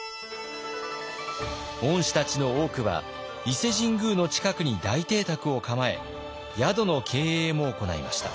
御師たちの多くは伊勢神宮の近くに大邸宅を構え宿の経営も行いました。